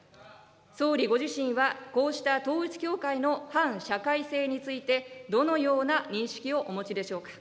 総理ご自身は、こうした統一教会の反社会性について、どのような認識をお持ちでしょうか。